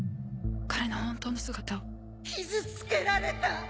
彼の本当の姿を傷つけられた！